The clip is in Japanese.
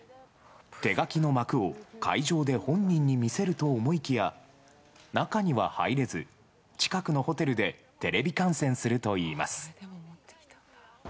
手書きの幕を会場で本人に見せると思いきや、中には入れず、近くのホテルでテレビ観戦するといいます。